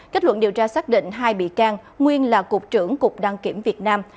kết luận điều tra xác định hai bị can nguyên là cục trưởng cục đăng kiểm việt nam